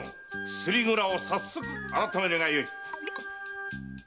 薬蔵を早速改めるがよいあっ！